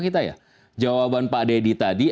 kita ya jawaban pak deddy tadi